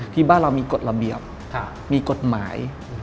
ที่บ้านเรามีกฎระเบียบมีกฎหมาย